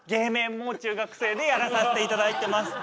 もう中学生でやらさせていただいてますっていうふうに。